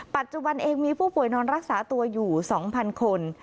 ปัจจุบันเองมีผู้ป่วยนอนรักษาตัวอยู่๒๐๐คน